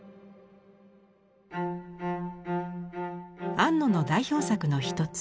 安野の代表作の一つ